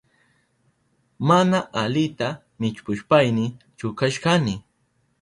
Mana alita millpushpayni chukashkani.